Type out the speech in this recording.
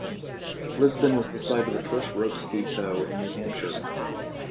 Lisbon was the site of the first rope ski tow in New Hampshire.